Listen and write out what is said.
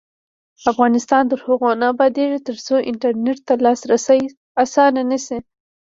افغانستان تر هغو نه ابادیږي، ترڅو انټرنیټ ته لاسرسی اسانه نشي.